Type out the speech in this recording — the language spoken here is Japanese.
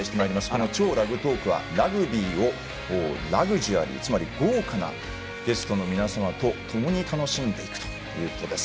この「＃超ラグトーク」はラグビーをラグジュアリーつまり豪華なゲストの皆様とともに楽しんでいくということです。